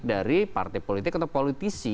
dari partai politik atau politisi